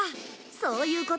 そういうこと！